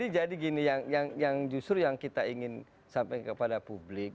jadi gini yang justru yang kita ingin sampaikan kepada publik